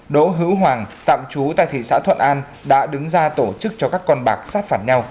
đỗ hữu hoàng tạm trú tại thị xã thuận an đã đứng ra tổ chức cho các con bạc sát phản nhau